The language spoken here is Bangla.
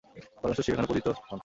পরমেশ্বর শিব এখানে পূজিত হন।